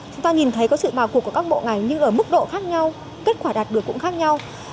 chúng ta nhìn thấy có sự vào cuộc của các bộ ngành nhưng ở mức độ khác nhau kết quả đạt được cũng khác nhau